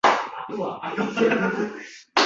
Evaziga xun toʻlash mumkin edi.